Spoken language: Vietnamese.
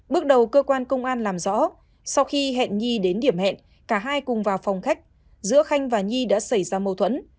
bước đầu cơ quan công an làm rõ sau khi hẹn nhi đến điểm hẹn cả hai cùng vào phòng khách giữa khanh và nhi đã xảy ra mâu thuẫn